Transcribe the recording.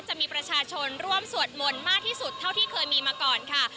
จะมีประชาชนร่วมสวดมนต์มากที่สุดเท่าที่เคยมีมาก่อนค่ะ